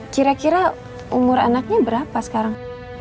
kira kira umur anaknya berapa sekarang